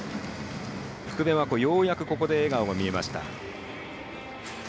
福部はようやくここで笑顔が見えました。